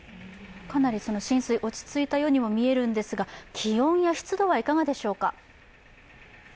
かなり浸水、落ち着いたようにも見えるんですが、気温や湿度は、いかがでしょうか。